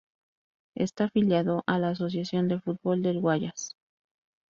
Está afiliado a la Asociación de Fútbol del Guayas.